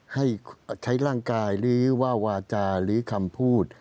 ให้ใช้ร่างกายหรือว่าวาจาหรือคำพูด